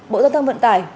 bộ giao thông vận tải